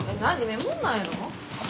メモんないの？